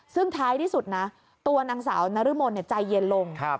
ซึ่งท้ายที่สุดนะตัวนางสาวนรมนใจเย็นลง